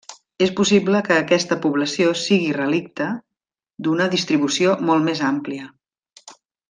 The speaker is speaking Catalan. És possible que aquesta població sigui relicte d'una distribució molt més àmplia.